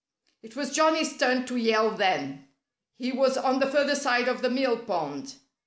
(Page 42)] It was Johnnie's turn to yell then. He was on the further side of the mill pond.